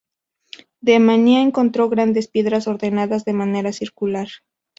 D. Mania encontró grandes piedras ordenadas de manera circular.